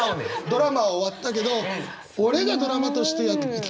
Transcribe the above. ドラマは終わったけど俺がドラマとして生きていこう。